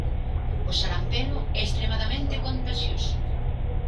O sarampelo é extremadamente contaxioso.